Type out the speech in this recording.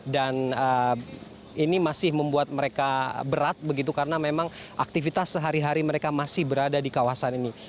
dan ini masih membuat mereka berat begitu karena memang aktivitas sehari hari mereka masih berada di kawasan ini